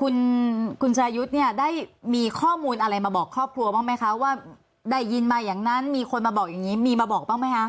คุณคุณสรายุทธ์เนี่ยได้มีข้อมูลอะไรมาบอกครอบครัวบ้างไหมคะว่าได้ยินมาอย่างนั้นมีคนมาบอกอย่างนี้มีมาบอกบ้างไหมคะ